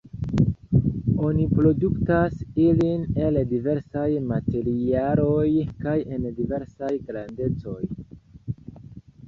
Oni produktas ilin el diversaj materialoj kaj en diversaj grandecoj.